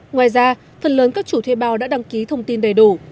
ngoài ra phần lớn các chủ thuê bao đã đăng ký thông tin đầy đủ